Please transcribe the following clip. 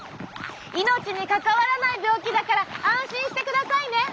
命に関わらない病気だから安心してくださいね！